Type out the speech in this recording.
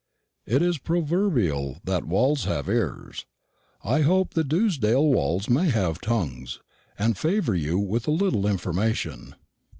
It is proverbial that walls have ears. I hope the Dewsdale walls may have tongues, and favour you with a little information.